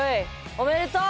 おめでとう！